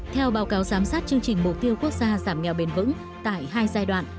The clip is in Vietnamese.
theo báo cáo giám sát chương trình mục tiêu quốc gia giảm nghèo bền vững tại hai giai đoạn